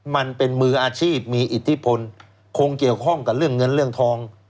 มันเป็นมืออาชีพมีอิทธิพลคงเกี่ยวข้องกับเรื่องเงินเรื่องทอง